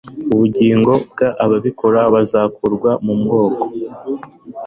ubugingo bw ababikora buzakurwa mu bwoko